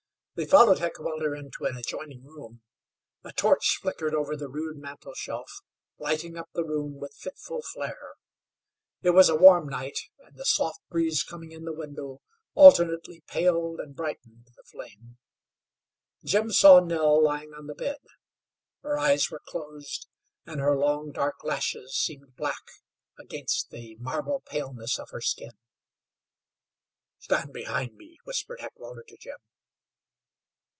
They followed Heckewelder into an adjoining room. A torch flickered over the rude mantle shelf, lighting up the room with fitful flare. It was a warm night, and the soft breeze coming in the window alternately paled and brightened the flame. Jim saw Nell lying on the bed. Her eyes were closed, and her long, dark lashes seemed black against the marble paleness of her skin. "Stand behind me," whispered Heckewelder to Jim.